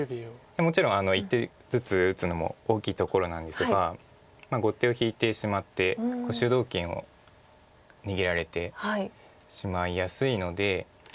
もちろん１手ずつ打つのも大きいところなんですが後手を引いてしまって主導権を握られてしまいやすいので。